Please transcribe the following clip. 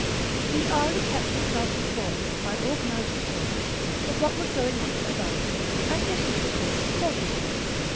He hourly kept himself informed, by Caesars ,_. foragers. organized patrols, of what was going on at Avari cum, and issued his orders accordingly.